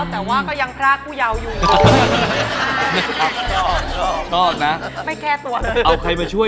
แต่ว่าก็ยังพระกูเยาอยู่ชอบนะไม่แก้ตัวเอาใครมาช่วย